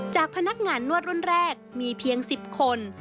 พนักงานนวดรุ่นแรกมีเพียง๑๐คน